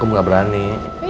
aku gak berani